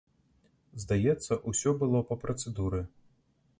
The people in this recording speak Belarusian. Здаецца, усё было па працэдуры.